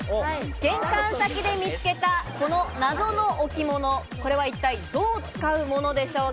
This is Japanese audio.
玄関先で見つけたこの謎の置物、これは一体どう使うものでしょうか？